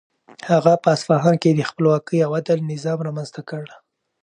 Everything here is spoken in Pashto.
هغه په اصفهان کې د خپلواکۍ او عدل نظام رامنځته کړ.